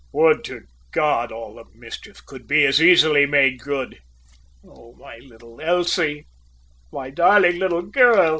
"Would to God all the mischief could be as easily made good! Oh, my little Elsie, my darling little girl!"